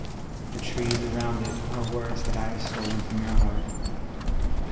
The trees around itAre words that I have stolen from your heart.